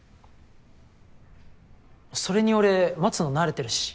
それに俺待つの慣れてるし。